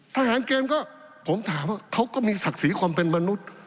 ทหารเกมก็ผมถามว่าเขาก็มีศักดิ์ศรีความเป็นมนุษย์